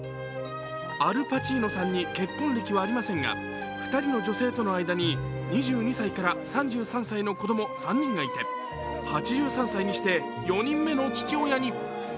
アル・パチーノさんに結婚歴はありませんが、２人の女性との間に２２歳から３３歳の子供３人がいて、８３歳にして４人目の父親に。